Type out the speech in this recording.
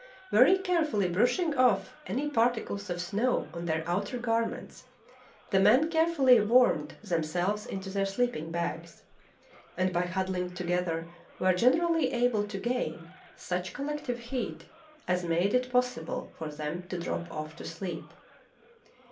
Very carefully brushing off any particles of snow on their outer garments, the men carefully wormed them selves into their sleeping bags, and by huddling to gether were generally able to gain such collective heat as made it possible for them to drop off to sleep.